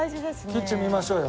キッチン見ましょうよ。